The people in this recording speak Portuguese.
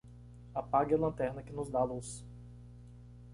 Apague a lanterna que nos dá luz.